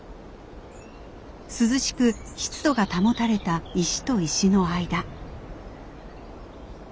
涼しく湿度が保たれた石と石の間。